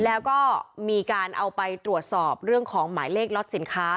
แล้วก็มีการเอาไปตรวจสอบเรื่องของหมายเลขล็อตสินค้า